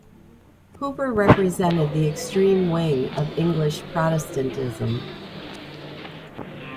Hooper represented the extreme wing of English Protestantism.